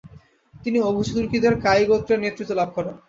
তিনি ওঘুজ তুর্কিদের কায়ি গোত্রের নেতৃত্ব লাভ করেন।